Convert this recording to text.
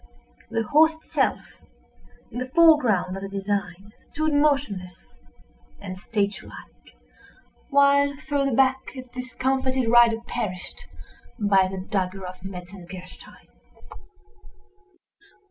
The horse itself, in the foreground of the design, stood motionless and statue like—while farther back, its discomfited rider perished by the dagger of a Metzengerstein.